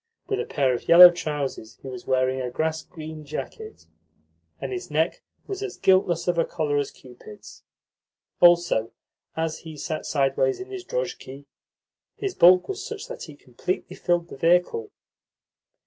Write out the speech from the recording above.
With a pair of yellow trousers he was wearing a grass green jacket, and his neck was as guiltless of a collar as Cupid's. Also, as he sat sideways in his drozhki, his bulk was such that he completely filled the vehicle.